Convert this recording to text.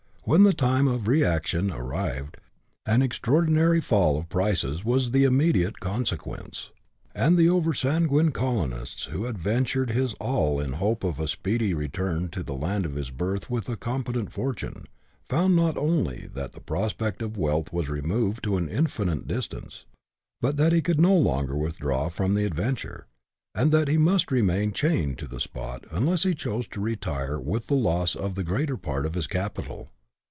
When the time of re action arrived, an extraordinary fall of prices was the immediate consequence ; and the over sanguine colonist, who had ventured his all in the hope of a speedy return to the land of his birth with a competent fortune, found not only that the prospect of wealth was removed to an indefinite distance, but that he could no longer withdraw from the adventure, and that he must remain chained to the spot, unless he chose to retire "with the loss of the greateripart of his capital.